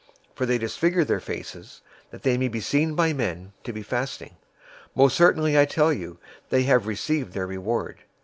For they disfigure their faces, that they may be seen by men to be fasting. Most certainly I tell you, they have received their reward.